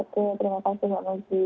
terima kasih mbak nuzi